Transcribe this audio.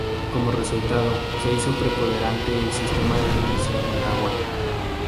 Como resultado, se hizo preponderante el sistema de inmersión en agua.